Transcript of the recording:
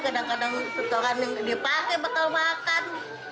kadang kadang setelah dipakai bakal makan